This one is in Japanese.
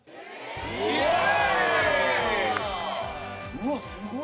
うわっすごい。